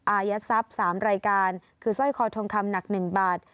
อายัดทรัพย์๓รายการคือสร้อยคอทองคำหนัก๑บาท